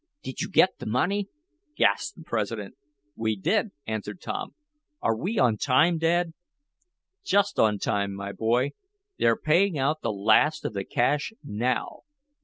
"Did you get the money?" gasped the president. "We did," answered Tom. "Are we on time, Dad?" "Just on time, my boy! They're paying out the last of the cash now!